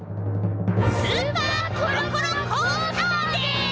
スーパーコロコロコースターです！